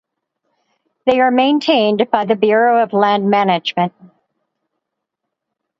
They are maintained by the Bureau of Land Management.